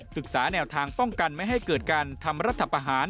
ศึกษาแนวทางป้องกันไม่ให้เกิดการทำรัฐประหาร